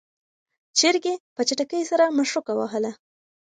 چرګې په چټکۍ سره مښوکه وهله.